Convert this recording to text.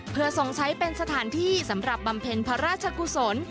เพื่อทรงใช้เป็นสถานที่สำหรับบำเพ็ญพระราชกุศล